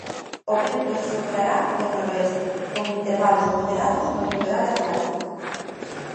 O vento soprará do noroeste con intervalos moderados no litoral Atlántico.